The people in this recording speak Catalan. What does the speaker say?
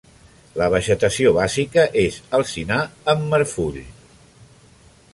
La vegetació bàsica és alzinar amb marfull.